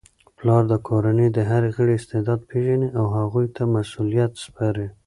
پلار د کورنی د هر غړي استعداد پیژني او هغوی ته مسؤلیتونه سپاري.